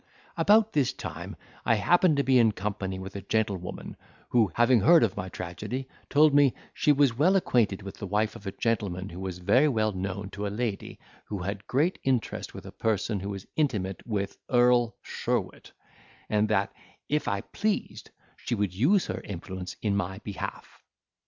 "About this time I happened to be in company with a gentlewoman, who, having heard of my tragedy, told me, she was well acquainted with the wife of a gentleman who was very well known to a lady, who had great interest with a person who was intimate with Earl Sheerwit: and that, if I pleased, she would use her influence in my behalf.